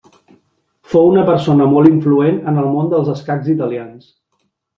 Fou una persona molt influent en el món dels escacs italians.